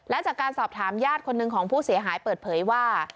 และจากการสอบถามญาติคนหนึ่งของผู้เสียหายเปิดเผยว่า